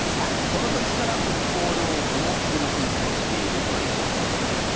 この時から北方領土を不法占拠しているという堤さん。